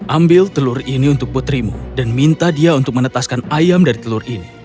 ambil telur ini untuk putrimu dan minta dia untuk menetaskan ayam dari telur ini